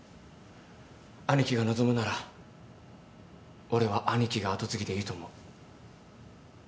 兄貴が望むなら俺は兄貴が跡継ぎでいいと思う。